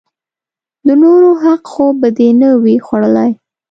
د نورو حق خو به دې نه وي خوړلئ!